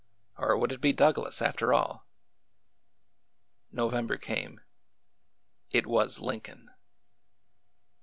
or would it be Douglas, after all ? November came. It was Lincoln !